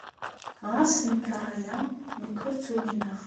Ɣas tenkeṛ aya, nekk ur tt-umineɣ.